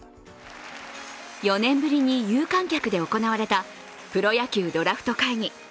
４年ぶりに有観客で行われたプロ野球ドラフト会議。